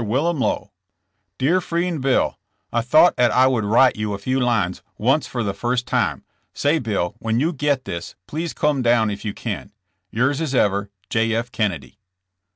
Wilum lowe. dear frend bil i thoght at i wuld write you a few lines unce for the first time say bil when you get this please cum down if you can. yours as ever J. F. Kennedy.